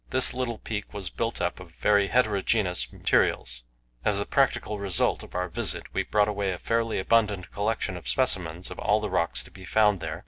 This little peak was built up of very heterogenous materials. As the practical result of our visit, we brought away a fairly abundant collection of specimens of all the rocks to be found there.